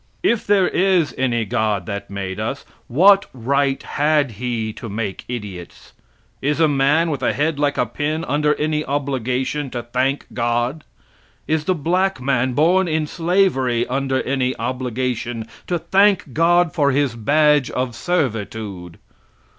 If there is any God that made us, what right had He to make idiots? Is a man with a head like a pin under any obligation to thank God? Is the black man, born in slavery, under any obligation to thank God for his badge of servitude?